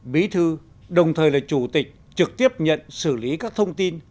bí thư đồng thời là chủ tịch trực tiếp nhận xử lý các thông tin